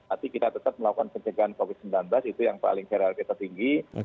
arti kita tetap melakukan penjagaan covid sembilan belas itu yang paling kira kira kita tinggi